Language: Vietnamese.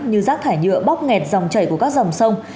như rác thải nhựa bóp nghẹt dòng chảy của các dòng sông